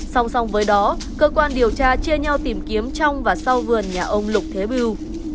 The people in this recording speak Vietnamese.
xong xong với đó cơ quan điều tra chia nhau tìm kiếm trong và sau vườn nhà ông lục thế bưu